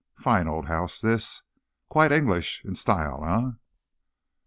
Fine old house, this. Quite English in style, eh?"